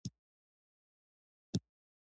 د غنمو وږی اوږد وي.